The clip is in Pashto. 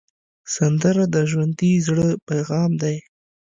سندره د ژوندي زړه پیغام دی